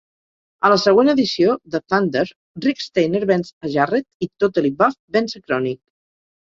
A la següent edició de Thunder, Rick Steiner venç a Jarrett i Tottally Buffed venç a KroniK.